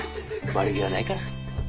悪気はないから。